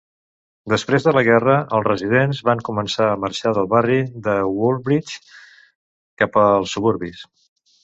Després de la guerra, els residents van començar a marxar del barri de Woodbridge cap als suburbis.